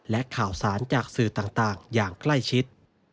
และข่าวสารจากสื่อต่างอย่างใกล้ชิด